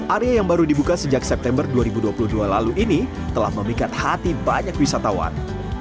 area yang baru dibuka sejak september dua ribu dua puluh dua lalu ini telah memikat hati banyak wisatawan